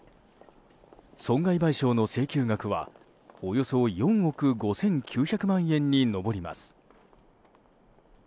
損害賠償の請求額はおよそ４億５９００万円になります。